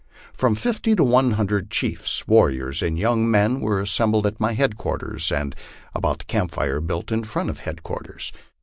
From fifty to one hundred chiefs, warriors, and young men were assem bled at my headquarters, or about the camp fire built in front of headquar ters.